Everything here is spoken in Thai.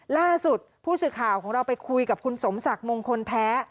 ล่าสุดผู้สื่อข่าวของเราไปคุยกับคุณสมศักดิ์มงคลแท้